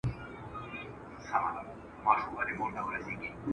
اسلام د علم زده کړې لپاره ټول انسانان مساوي ګڼي.